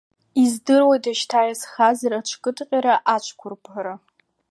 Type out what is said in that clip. Издыруада, шьҭа иазхазар аҽкыдҟьара ацәқәырԥара?